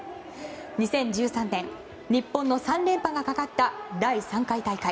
２０１３年、日本の３連覇がかかった第３回大会。